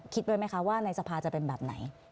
คิดไว้ไหมคะว่าในสภาจะเป็นแบบไหน